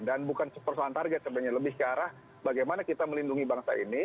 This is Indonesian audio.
dan bukan persoalan target sebenarnya lebih ke arah bagaimana kita melindungi bangsa ini